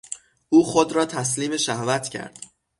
او خود را تسلیم شهوت کرد.